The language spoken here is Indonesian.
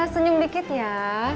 senyum dikit ya